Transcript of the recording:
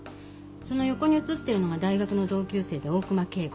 その横に写ってるのが大学の同級生で大熊敬吾。